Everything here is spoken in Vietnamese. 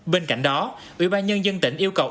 bên cạnh đó ubnd tỉnh yêu cầu